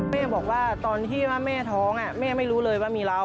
แม่บอกว่าตอนที่ว่าแม่ท้องแม่ไม่รู้เลยว่ามีเรา